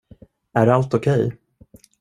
Är allt okej?